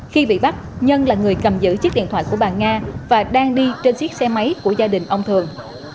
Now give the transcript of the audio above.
khi bị bắt nhân là người cầm giữ chiếc điện thoại của bà nga và đang đi trên chiếc xe máy của gia đình ông thường